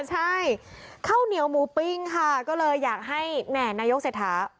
ใช่ข้าวเหนียวหมูปิ้งค่ะก็เลยอยากให้แหม่นายกเศรษฐา